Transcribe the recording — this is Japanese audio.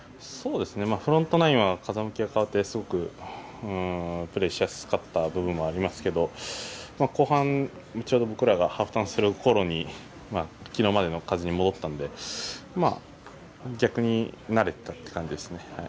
フロントナインは風向きが変わってすごくプレーしやすかった部分もありますけど後半、ちょうど僕らがハーフターンするぐらいに昨日までの風に戻ったので逆に慣れたという感じですね。